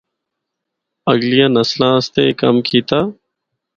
اگلیاں نسلاں اسطے اے کم کیتا۔